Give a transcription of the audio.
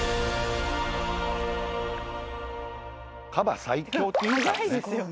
カバ最強っていうからね。